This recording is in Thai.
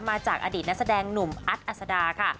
มาจากอดีตนักแสดงหนุ่มอัดอัศดาค่ะ